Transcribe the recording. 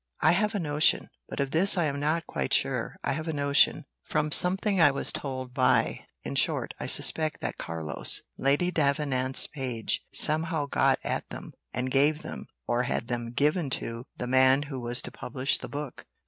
"I have a notion, but of this I am not quite sure I have a notion, from something I was told by in short I suspect that Carlos, Lady Davenant's page, somehow got at them, and gave them, or had them given to the man who was to publish the book.